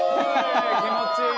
「気持ちいい！」